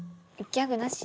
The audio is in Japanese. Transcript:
ギャグなし！